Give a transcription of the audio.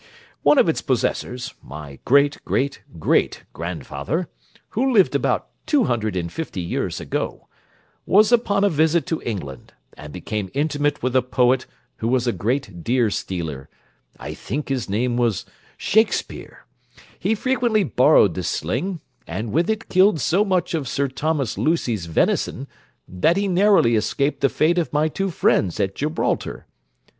One of its possessors, my great great great grandfather, who lived about two hundred and fifty years ago, was upon a visit to England, and became intimate with a poet who was a great deer stealer; I think his name was Shakespeare: he frequently borrowed this sling, and with it killed so much of Sir Thomas Lucy's venison, that he narrowly escaped the fate of my two friends at Gibraltar.